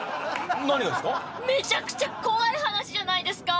めちゃくちゃ怖い話じゃないですか！